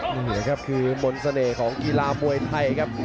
นี่แหละครับคือมนต์เสน่ห์ของกีฬามวยไทยครับ